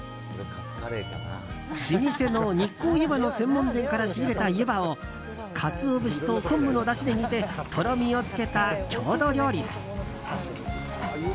老舗の日光湯波の専門店から仕入れたゆばをカツオ節と昆布のだしで煮てとろみをつけた郷土料理です。